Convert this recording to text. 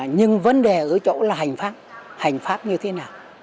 nhưng vấn đề ở chỗ là hành pháp hành pháp như thế nào